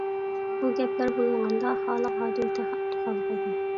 ئۇ گەپلەر بولۇنغاندا خالىق ھاجىم تېخى ئابدۇخالىق ئىدى.